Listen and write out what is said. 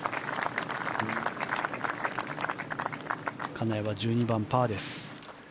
金谷は１２番、パーです。